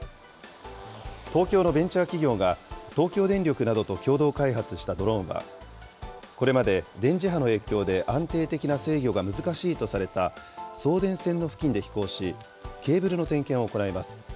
東京のベンチャー企業が、東京電力などと共同開発したドローンは、これまで電磁波の影響で安定的な制御が難しいとされた送電線の付近で飛行し、ケーブルの点検を行います。